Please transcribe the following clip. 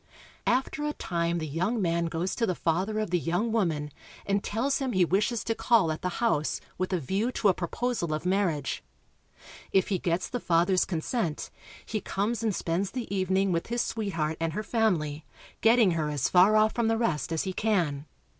After a time the young man goes to the father of the young woman, and tells him he wishes to call at the house with a view to a proposal of marriage. If he gets the father's consent, he comes and spends the evening with his sweetheart and her family, getting her as far off from the rest as he can.